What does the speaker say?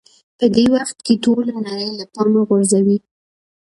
په دې وخت کې ټوله نړۍ له پامه غورځوئ.